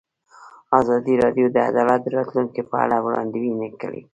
ازادي راډیو د عدالت د راتلونکې په اړه وړاندوینې کړې.